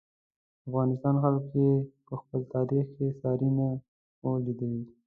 افغانستان خلکو یې په خپل تاریخ کې ساری نه و لیدلی.